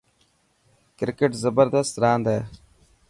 ڪرڪيٽ زبردست راند هي.